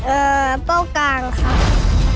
เอ่อเป้ากลางครับ